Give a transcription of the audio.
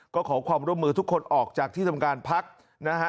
ก็ขอความร่วมมือทุกคนออกจากที่ทำการพักนะฮะ